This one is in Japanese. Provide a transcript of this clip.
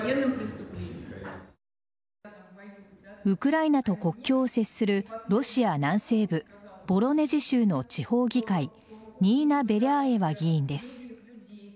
ウクライナと国境を接するロシア南西部ボロネジ州の地方議会ニーナ・ベリャーエワ議員です。